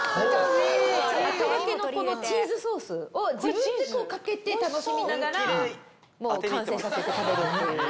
あとがけのこのチーズソースを、自分でかけて楽しみながら、もう完成させて食べるっていう。